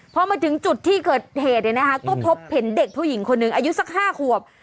พอมาถึงจุดที่เกิดเหตุก็พบเห็นเด็กผู้หญิงคนหนึ่งอายุสัก๕ขวบ